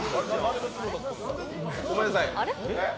ごめんなさい